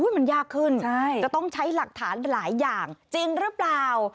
มันยากขึ้นจะต้องใช้หลักฐานหลายอย่างจริงหรือเปล่า